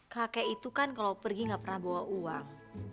kakek itu kan kalau pergi nggak pernah bawa uang